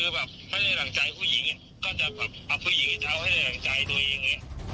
คือแบบให้ในหลังจ่ายผู้หญิงก็จะเอาผู้หญิงอีกเอาให้ในหลังจ่ายตัวเอง